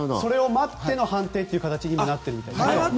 待っての判定という形に今はなっているみたいです。